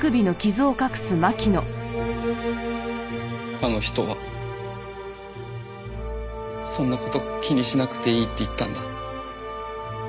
あの人はそんな事気にしなくていいって言ったんだ。